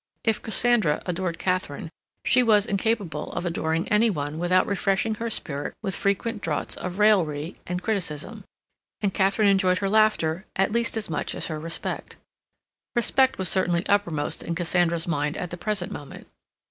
If Cassandra adored Katharine she was incapable of adoring any one without refreshing her spirit with frequent draughts of raillery and criticism, and Katharine enjoyed her laughter at least as much as her respect. Respect was certainly uppermost in Cassandra's mind at the present moment.